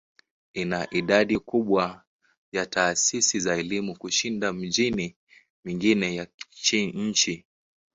Ina idadi kubwa ya taasisi za elimu kushinda miji mingine ya nchi.